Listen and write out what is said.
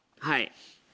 はい。